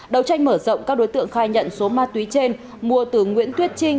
đầu tranh mở rộng các đối tượng khai nhận số ma túy trên mua từ nguyễn tuyết trinh